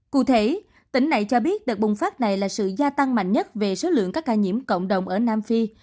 cụ thể tỉnh này cho biết đợt bùng phát này là sự gia tăng mạnh nhất về số lượng các ca nhiễm cộng đồng ở nam phi